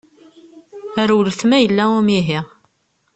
Rewlet ma yella umihi.